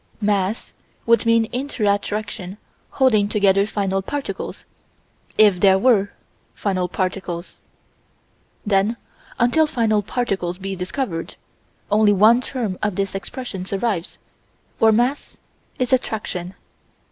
Mass would mean inter attraction holding together final particles, if there were final particles. Then, until final particles be discovered, only one term of this expression survives, or mass is attraction.